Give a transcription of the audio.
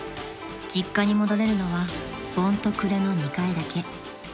［実家に戻れるのは盆と暮れの２回だけ］